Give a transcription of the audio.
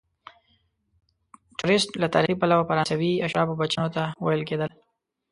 توریست له تاریخي پلوه فرانسوي اشرافو بچیانو ته ویل کیدل.